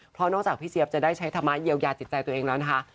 เพราะนอกจากพี่เจี๊ยบจะได้ใช้ธรรมะเยียวยาจิตใจตัวเองแล้วนะคะ